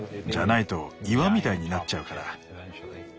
じゃないと岩みたいになっちゃうから。